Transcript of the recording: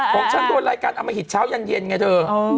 ของฉันตัวรายการเอามาหิดเช้าเย็นเหมือนเธอ